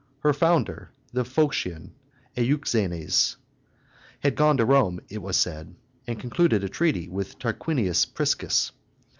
Her founder, the Phocean Euxenes, had gone to Rome, it was said, and concluded a treaty with Tarquinius Priscus.